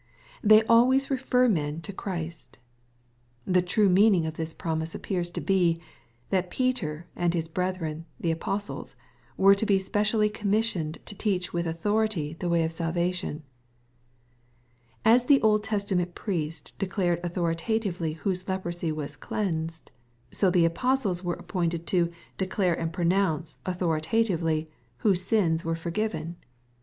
They always refer men to Christ. The true meaning of this promise appears to be, that i^eter and his brethren, the apostles, were to be specially commissioned to teach with authority the way of salva tion. As the Old Testament priest declared authorita tively whose leprosy was cleansed, so the apostles were appointed to '^ declare and pronounce" authoritatively, MATTHEW, CHAP. XVI. 195 wbose sins were forgiven.